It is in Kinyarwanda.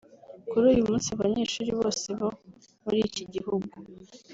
Kuri uyu munsi abanyeshuri bose bo muri iki gihugu